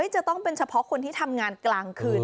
จะต้องเป็นเฉพาะคนที่ทำงานกลางคืน